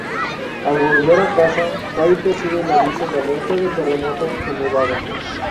Al volver a casa, Ray recibe el aviso de alerta del terremoto en Nevada.